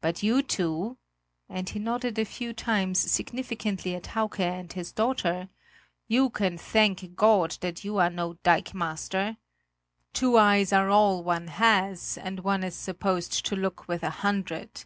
But you two," and he nodded a few times significantly at Hauke and his daughter, "you can thank God that you are no dikemaster! Two eyes are all one has, and one is supposed to look with a hundred.